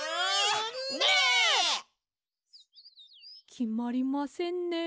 きまりませんね。